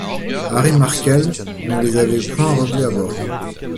Harry Markel ne les avait point revus à bord.